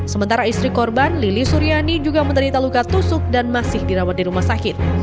sementara istri korban lili suryani juga menderita luka tusuk dan masih dirawat di rumah sakit